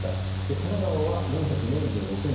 神奈川県は４４６人。